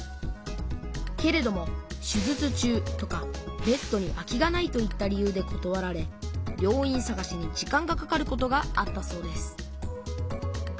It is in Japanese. けれども手術中とかベッドに空きがないといった理由でことわられ病院さがしに時間がかかることがあったそうです